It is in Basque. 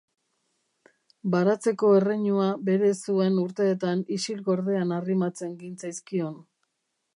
Baratzeko erreinua bere zuen urteetan isil-gordean arrimatzen gintzaizkion.